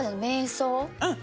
うん。